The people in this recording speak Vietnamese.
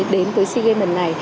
đến với sea games hai mươi một